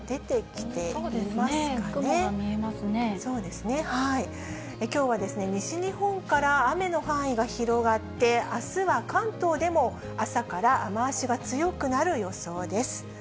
きょうは西日本から雨の範囲が広がって、あすは関東でも朝から雨足が強くなる予想です。